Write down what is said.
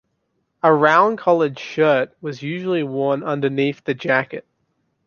A round-collared shirt was usually worn underneath the jacket.